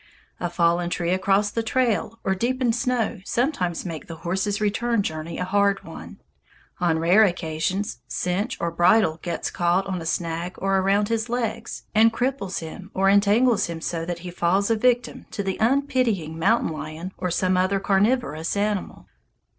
A fallen tree across the trail or deepened snow sometimes makes the horse's return journey a hard one. On rare occasions, cinch or bridle gets caught on a snag or around his legs, and cripples him or entangles him so that he falls a victim to the unpitying mountain lion or some other carnivorous animal.